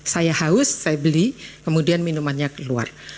saya haus saya beli kemudian minumannya keluar